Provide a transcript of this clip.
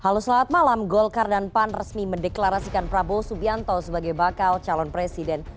halo selamat malam golkar dan pan resmi mendeklarasikan prabowo subianto sebagai bakal calon presiden